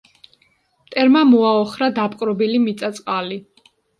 მტერმა მოაოხრა დაპყრობილი მიწა-წყალი.